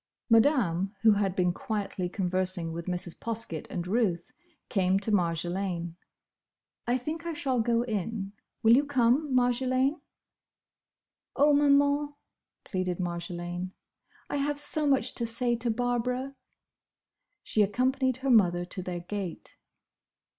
Madame, who had been quietly conversing with Mrs. Poskett and Ruth, came to Marjolaine. "I think I shall go in. Will you come, Marjolaine?" "Oh, Maman," pleaded Marjolaine, "I have so much to say to Barbara!" She accompanied her mother to their gate.